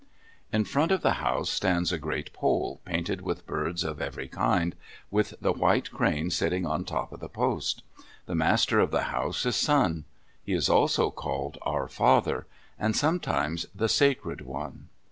In front of the house stands a great pole, painted with birds of every kind, with the white crane sitting on top of the post. The master of the house is Sun. He is also called "Our Father," and sometimes the "Sacred One."